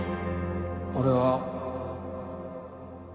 俺は